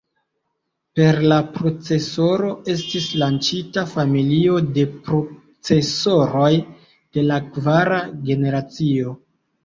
Per la procesoro estis lanĉita familio de procesoroj de la kvara generacio.